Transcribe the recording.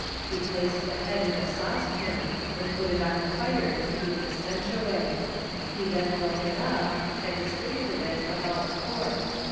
He placed the head in a saucepan, and put it on the fire to keep the stench away. He then broke it up, and distributed it about Thorpe.